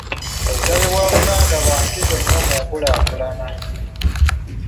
Obutale bwa Buganda bwa nkizo nnyo mu nkulaakulana.